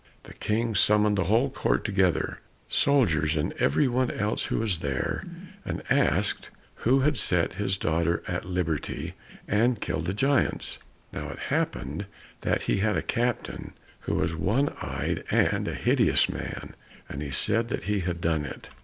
The King summoned his whole court together, soldiers and every one else who was there, and asked who had set his daughter at liberty, and killed the giants? Now it happened that he had a captain, who was one eyed and a hideous man, and he said that he had done it.